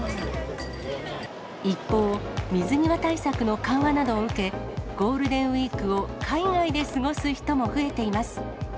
一方、水際対策の緩和などを受け、ゴールデンウィークを海外で過ごす人も増えています。